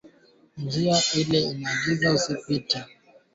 Jamii za walendu na wahema zina mzozo, zina mzozo wa muda mrefu